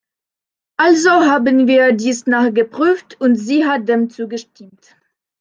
Also haben wir dies nachgeprüft, und sie hat dem zugestimmt.